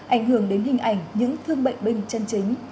ảnh hưởng đến hình ảnh những thương bệnh binh chân chính